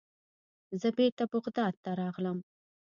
زه بیرته بغداد ته راغلم.